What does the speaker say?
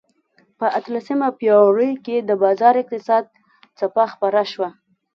په اتلسمه پېړۍ کې د بازار اقتصاد څپه خپره شوه.